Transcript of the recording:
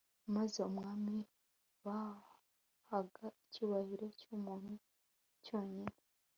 maze umwami bahaga icyubahiro cy'umuntu cyonyine